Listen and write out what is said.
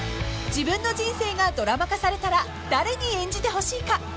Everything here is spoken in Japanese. ［自分の人生がドラマ化されたら誰に演じてほしいか］